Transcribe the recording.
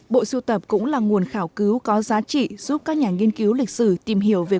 bộ sưu tập cũng là nguồn khảo cứu có giá trị giúp các nhà nghiên cứu lịch sử tìm hiểu về